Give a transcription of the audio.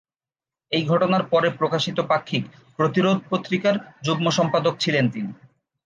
এই ঘটনার পরে প্রকাশিত পাক্ষিক 'প্রতিরোধ' পত্রিকার যুগ্ম সম্পাদক ছিলেন তিনি।